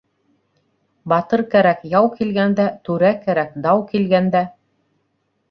Батыр кәрәк яу килгәндә, түрә кәрәк дау килгәндә.